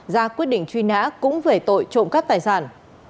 ra quyết định truy nã cũng về tội trộm cắp tài sản